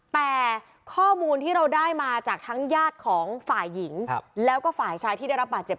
แต่ข้อมูลที่เราได้มาจากทั้งญาติของฝ่ายหญิงแล้วก็ฝ่ายชายที่ได้รับบาดเจ็บ